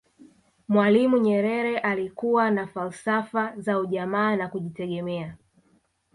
mwalimu nyerere alikuwa na falsafa za ujamaa na kujitegemea